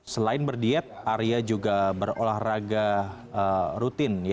selain berdiet arya juga berolahraga rutin